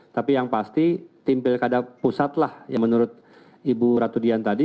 tapi yang pasti tim pilkada pusat lah yang menurut ibu ratu dian tadi